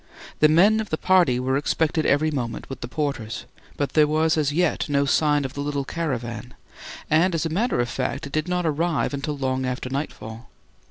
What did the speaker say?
The men of the party were expected every moment with the porters, but there was as yet no sign of the little caravan, and as a matter of fact it did not arrive until long after nightfall.